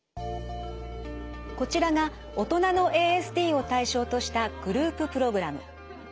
こちらが大人のＡＳＤを対象としたグループプログラム。